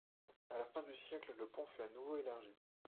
À la fin du siècle, le pont fut à nouveau élargi.